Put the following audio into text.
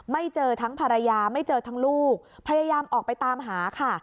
ไม่เจอทั้งภรรยาไม่เจอทั้งลูกพยายามออกไปตามหาค่ะ